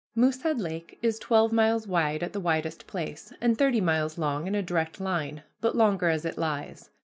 Moosehead Lake is twelve miles wide at the widest place, and thirty miles long in a direct line, but longer as it lies.